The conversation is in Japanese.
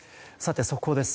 速報です。